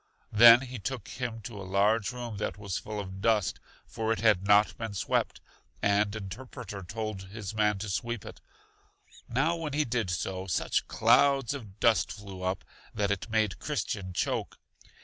Then he took him to a large room that was full of dust, for it had not been swept; and Interpreter told his man to sweep it. Now when he did so, such clouds of dust flew up, that it made Christian choke.